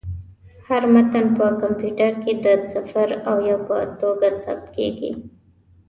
هر متن په کمپیوټر کې د صفر او یو په توګه ثبت کېږي.